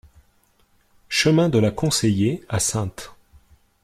Chemin de la Conseillé à Saintes